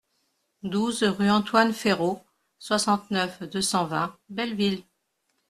douze rue Antoine Ferraud, soixante-neuf, deux cent vingt, Belleville